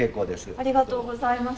ありがとうございます。